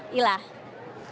baik terima kasih gamalil